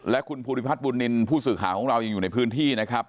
และคุณภูริพัฒนบุญนินทร์ผู้สื่อข่าวของเรายังอยู่ในพื้นที่นะครับ